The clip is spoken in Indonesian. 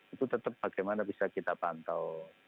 itu tetap bagaimana bisa kita pantau